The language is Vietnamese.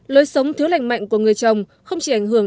lối sống thiếu lành mạnh của người chồng không chỉ ảnh hưởng